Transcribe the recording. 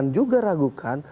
tidak usah kita ragukan